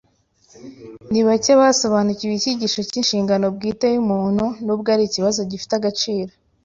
Ni bake basobanukiwe icyigisho cy’inshingano bwite y’umuntu nubwo ari ikibazo gifite agaciro